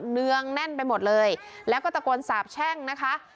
เนืองแน่นไปหมดเลยแล้วก็ตะโกนสาบแช่งนะคะ